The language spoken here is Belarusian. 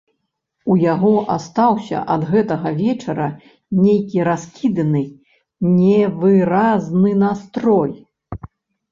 У яго астаўся ад гэтага вечара нейкі раскіданы, невыразны настрой.